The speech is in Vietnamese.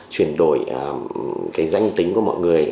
chuyển đổi cái danh tính của mọi người